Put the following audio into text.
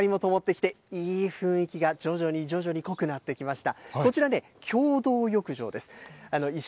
明かりも灯ってきていい雰囲気が徐々に徐々に濃くなってきました。